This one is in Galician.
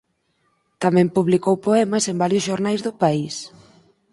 Tamén publicou poemas en varios xornais do país.